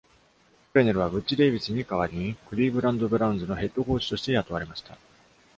クレネルは、ブッチ・デイビスに代わりにクリーブランド・ブラウンズのヘッドコーチとして雇われました。